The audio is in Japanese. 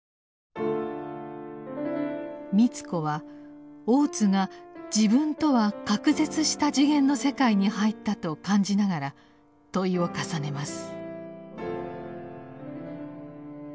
美津子は大津が自分とは「隔絶した次元の世界に入った」と感じながら問いを重ねます。